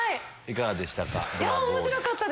いかがでしたか？